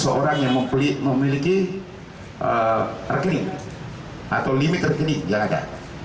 seorang yang memiliki rekening atau limit rekening yang ada